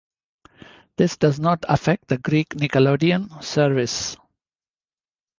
This does not affect the Greek Nickelodeon service.